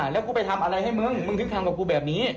แล้วกูไปทำอะไรให้มึงมึงถึงทำกับกูแบบนี้